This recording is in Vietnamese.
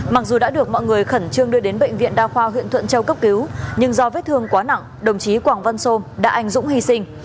mặc dù đã được mọi người khẩn trương đưa đến bệnh viện đa khoa huyện thuận châu cấp cứu nhưng do vết thương quá nặng đồng chí quảng văn sôm đã anh dũng hy sinh